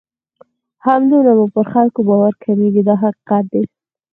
همدومره مو پر خلکو باور کمیږي دا حقیقت دی.